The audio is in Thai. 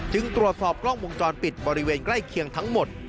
ตรวจสอบกล้องวงจรปิดบริเวณใกล้เคียงทั้งหมด